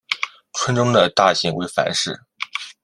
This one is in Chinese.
村中的大姓为樊氏。